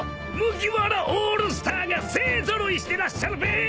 麦わらオールスターが勢揃いしてらっしゃるべ］